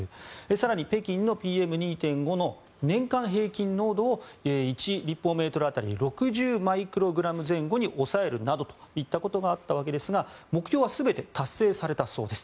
更に、北京のＰＭ２．５の年間平均濃度を１立方メートル当たり６０マイクロメートル前後に抑えるというものがありましたが目標は全て達成されたそうです。